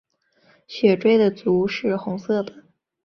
血雉的足是红色的。